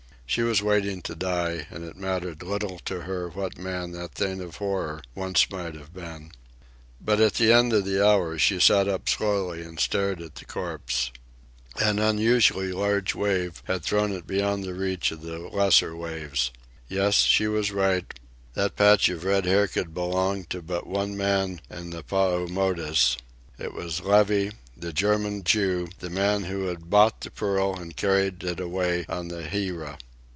She was waiting to die, and it mattered little to her what man that thing of horror once might have been. But at the end of the hour she sat up slowly and stared at the corpse. An unusually large wave had thrown it beyond the reach of the lesser waves. Yes, she was right; that patch of red hair could belong to but one man in the Paumotus. It was Levy, the German Jew, the man who had bought the pearl and carried it away on the Hira.